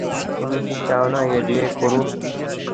তুমি কি চাও না ও বিয়ে করুক?